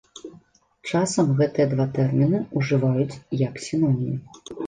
Часам гэтыя два тэрміны ўжываюць як сінонімы.